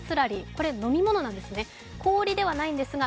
これ、飲み物なんですね。